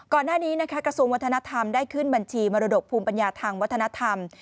ก่อนหน้านี้นะคะกระทรวงวัฒนธรรมได้ขึ้นบัญชีมรดกภูมิปัญญาทางวัฒนธรรม